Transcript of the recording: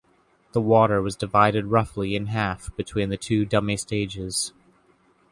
The water was divided roughly in half between the two dummy stages.